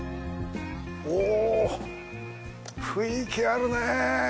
おぉ、雰囲気あるねぇ！